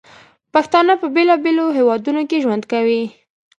پښتانه په بیلابیلو هیوادونو کې ژوند کوي.